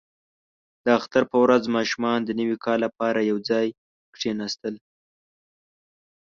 • د اختر په ورځ ماشومان د نوي کال لپاره یو ځای کښېناستل.